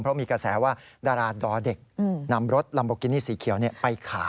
เพราะมีกระแสว่าดาราดอเด็กนำรถลัมโบกินี่สีเขียวไปขาย